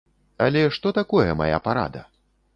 Але што такое мая парада?